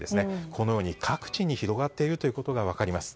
このように各地に広がっていることが分かります。